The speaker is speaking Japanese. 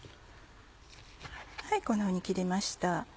こんなふうに切りました。